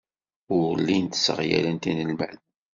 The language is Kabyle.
Ur llint sseɣyalent inelmaden.